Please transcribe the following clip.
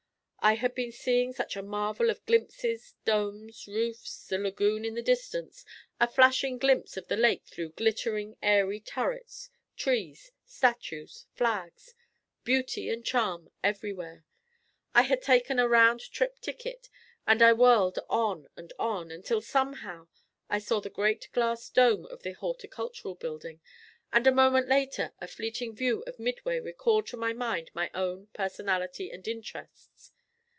I had been seeing such a marvel of glimpses, domes, roofs, the lagoon in the distance, a flashing glimpse of the lake through glittering, airy turrets, trees, statues, flags beauty and charm everywhere. I had taken a round trip ticket, and I whirled on and on, until somehow I saw the great glass dome of the Horticultural Building, and a moment later a fleeting view of Midway recalled to my mind my own personality and interests.